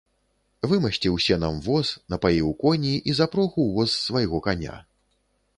Вымасціў сенам воз, напаіў коні і запрог у воз свайго каня.